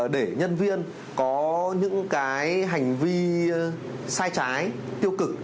để nhân viên có những cái hành vi sai trái tiêu cực